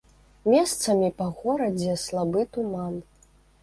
Месцамі па горадзе слабы туман.